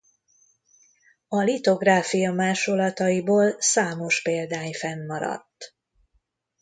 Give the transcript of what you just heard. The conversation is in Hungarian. A litográfia másolataiból számos példány fennmaradt.